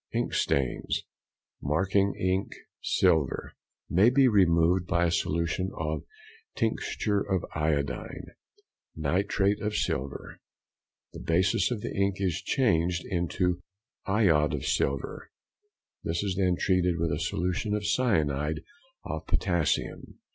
Ink stains (marking ink, silver) may be removed by a solution of tincture of iodine; nitrate of silver, the basis of the ink, is changed into iodide of silver, this is then treated with a solution of cyanide of potassium.